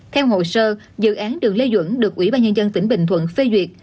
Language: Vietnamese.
theo hồ sơ dự án đường lê duẩn được ủy ban nhân dân tỉnh bình thuận phê duyệt